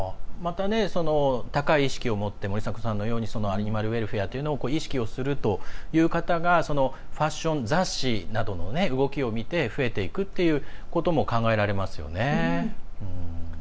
また高い意識を持って森迫さんのようにアニマルウェルフェアというのを意識をするという方がファッション雑誌などの動きを見て増えていくっていうことも考えられますよね。